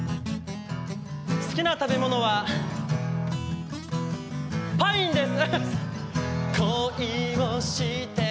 好きな食べ物はパインです。